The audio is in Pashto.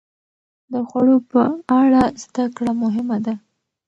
د خوړو په اړه زده کړه مهمه ده.